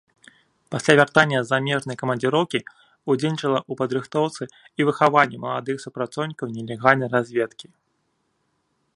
Пасля вяртання з замежнай камандзіроўкі ўдзельнічала ў падрыхтоўцы і выхаванні маладых супрацоўнікаў нелегальнай разведкі.